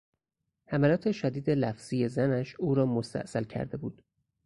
حملات شدید لفظی زنش او را مستاصل کرده بود.